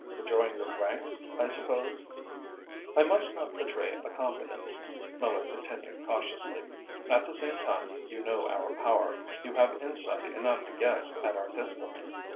"To join your ranks, I suppose?" "I must not betray a confidence," Miller continued cautiously. "At the same time, you know our power, you have insight enough to guess at our destiny.